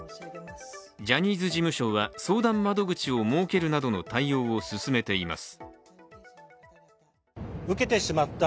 ジャニーズ事務所は相談窓口を設けるなどの対応を進めています。